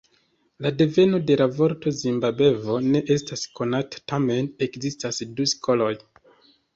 La deveno de la vorto "Zimbabvo" ne estas konata, tamen ekzistas du skoloj.